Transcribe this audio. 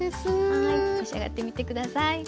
はい召し上がってみて下さい。